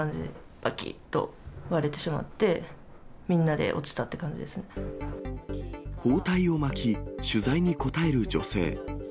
ばきっと割れてしまって、みんな包帯を巻き、取材に答える女性。